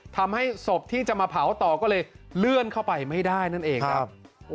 ทำให้ศพที่จะมาเผาต่อก็เลยเลื่อนเข้าไปไม่ได้นั่นเองครับ